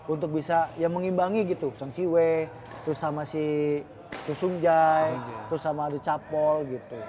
untuk bisa mengimbangi gitu si si wei terus sama si si sung jae terus sama ada capol gitu